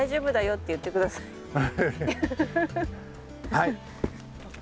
はい！